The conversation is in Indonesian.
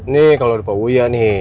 nih kalau di pauwia nih